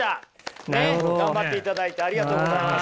頑張っていただいてありがとうございます。